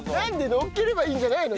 のっければいいんじゃないの？